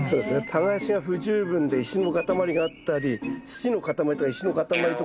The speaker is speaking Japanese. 耕しが不十分で石の塊があったり土の塊とか石の塊とかね